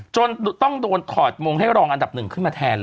จนต้องโดนถอดมงให้รองอันดับหนึ่งขึ้นมาแทนเลย